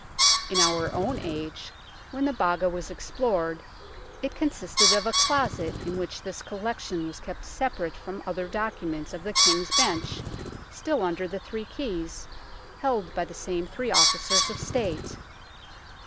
In our own age, when the Baga was explored, it consisted of a closet in which this collection was kept separate from other documents of the King's Bench, still under the three keys, held by the same three officers of State.